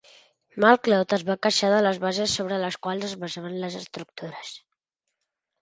Macleod es va queixar de les bases sobre les quals es basaven les estructures.